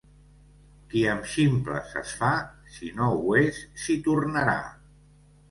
Qui amb ximples es fa, si no ho és, s'hi tornarà.